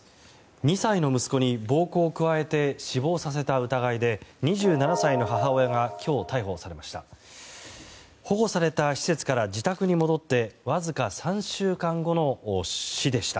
２歳の息子に暴行を加えて死亡させた疑いで２７歳の母親が今日、逮捕されました。